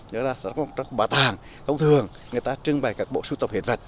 đó là trong bảo tàng thông thường người ta trưng bày các bộ sưu tập hiện vật